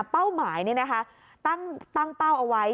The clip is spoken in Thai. เป้าหมายนี้นะคะตั้งเป้าเอาไว้